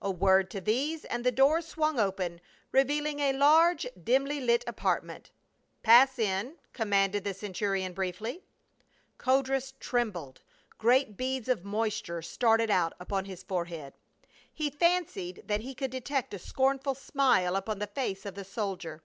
A word to these and the door swung open, revealing a large dimly lighted apartment. " Pass in," commanded the centurion, briefly. Codrus trembled ; great beads of moisture started out upon his forehead. He fancied tliat he could detect a scornful smile upon the face of the soldier.